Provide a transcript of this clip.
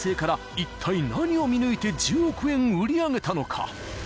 いったい何を見抜いて１０億円売り上げたのか？］